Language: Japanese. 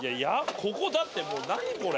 ここだってもう何これ。